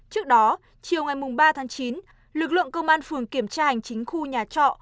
trước đó chiều ngày ba tháng chín lực lượng công an phường kiểm tra hành chính khu nhà trọ